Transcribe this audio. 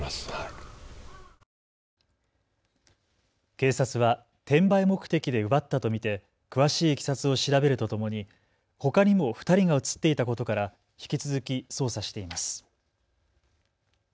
警察は転売目的で奪ったと見て詳しいいきさつを調べるとともにほかにも２人が写っていたことから引き続き捜査しています。